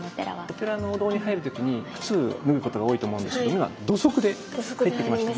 お寺のお堂に入る時にくつを脱ぐことが多いと思うんですけど土足で入りました。